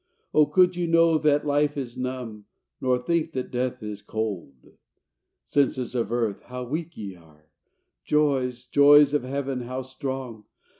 Oh, could you know that life is numb, Nor think that death is cold! Senses of earth, how weak ye are! Joys, joys of Heaven how strong!